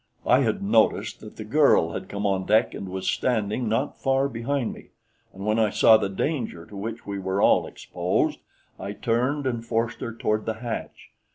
I had noticed that the girl had come on deck and was standing not far behind me, and when I saw the danger to which we were all exposed, I turned and forced her toward the hatch.